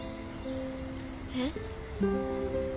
えっ？